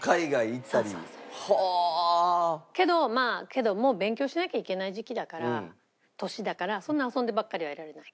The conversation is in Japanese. けどもう勉強しなきゃいけない時期だから年だからそんな遊んでばっかりはいられないけど。